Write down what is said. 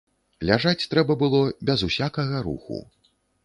Ляжаць трэба было без усякага руху.